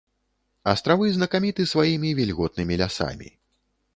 Астравы знакаміты сваімі вільготнымі лясамі.